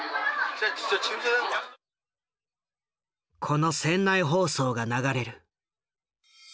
この船内放送が流れる。